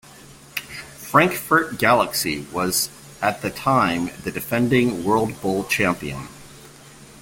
Frankfurt Galaxy was at the time the defending World Bowl champion.